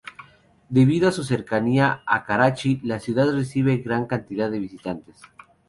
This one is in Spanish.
Debido a su cercanía a Karachi, la ciudad recibe gran cantidad de visitantes.